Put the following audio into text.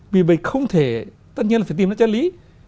vì vậy không thể tất nhiên là phải tìm ra chân lý